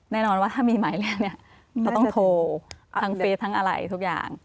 แน่นอนว่าถ้ามีหมายเรียกเนี่ยจะต้องโทรทั้งเฟสทั้งอะไรทุกอย่าง